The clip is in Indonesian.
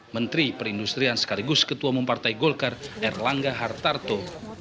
menteri perindustrian sekaligus ketua mempartai golkar erlangga hartarto